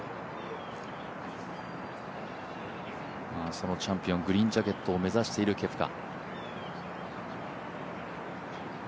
そのチャンピオン、グリーンジャケットを目指しているケプカ。